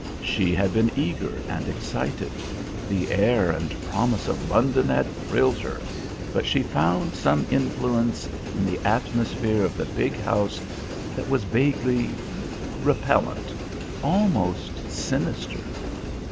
She had been eager and excited. The air and promise of London had thrilled her, but she found some influence in the atmosphere of the big house that was vaguely repellent, almost sinister.